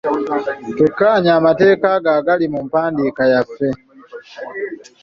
Twekkaanye amateeka ago agali mu mpandiika yaffe.